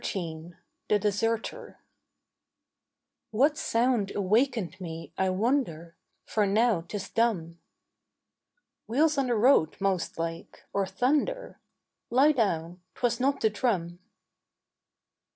XIII. THE DESERTER "What sound awakened me, I wonder, For now 'tis dumb." "Wheels on the road most like, or thunder: Lie down; 'twas not the drum.